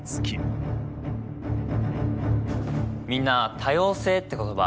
みんな多様性って言葉